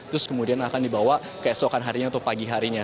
terus kemudian akan dibawa keesokan harinya atau pagi harinya